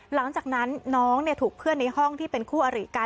หลังจากนั้นน้องถูกเพื่อนในห้องที่เป็นคู่อริกัน